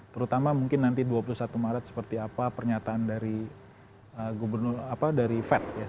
terutama mungkin nanti dua puluh satu maret seperti apa pernyataan dari gubernur dari fed ya